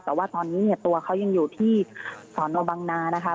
แต่ว่าตอนนี้เนี่ยตัวเขายังอยู่ที่สอนอบังนานะคะ